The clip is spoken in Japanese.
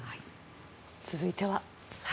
続いては。